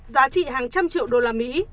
giá trị hàng trăm triệu đô la mỹ